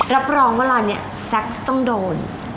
รับรองว่าร้านนี้แซ็กจะต้องโดน